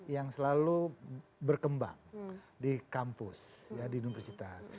yang selalu berkembang di kampus di universitas